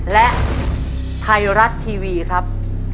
และไทยรัฐทีวีครับ